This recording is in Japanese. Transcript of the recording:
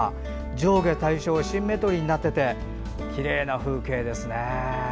上下対称シンメトリーになっていてきれいな風景ですね。